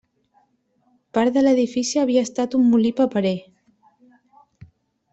Part de l'edifici havia estat un molí paperer.